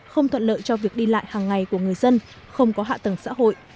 không thuận lợi cho việc đi lại hàng ngày của người dân không có hạ tầng xã hội